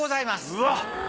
うわっ！